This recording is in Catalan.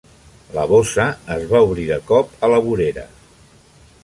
La bossa es va obrir de cop a la vorera.